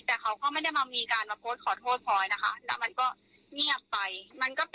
แต่เขาก็ไม่ได้มามีการมาโพสต์ขอโทษพลอยนะคะแล้วมันก็เงียบไปมันก็เป็น